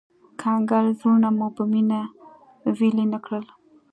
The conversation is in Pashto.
کنګل زړونه مو په مينه ويلي نه کړل